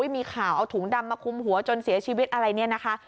มีข่าวเอาถุงดำมาคุมหัวจนเสียชีวิตอะไรเนี่ยนะคะ